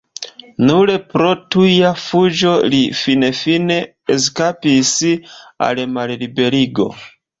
Nur pro tuja fuĝo li finfine eskapis al malliberigo.